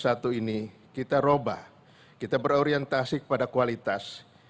se ap daripada korupsi kepada kualitas